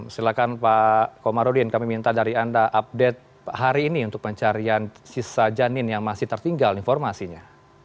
silahkan pak komarudin kami minta dari anda update hari ini untuk pencarian sisa janin yang masih tertinggal informasinya